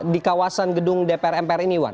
di kawasan gedung dpr mpr ini iwan